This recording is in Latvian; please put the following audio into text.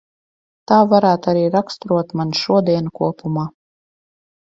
Tā varētu arī raksturot manu šodienu kopumā.